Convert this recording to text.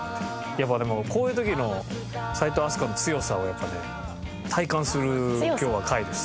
やっぱでもこういう時の齋藤飛鳥の強さを体感する今日は回でしたね。